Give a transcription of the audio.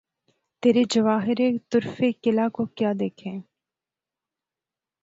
تیرے جواہرِ طُرفِ کلہ کو کیا دیکھیں!